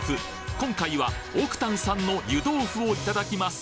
今回は奥丹さんの湯豆腐をいただきます